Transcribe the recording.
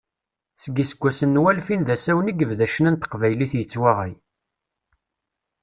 Seg iseggasen n walfin d asawen i yebda ccna n teqbaylit yettwaɣay.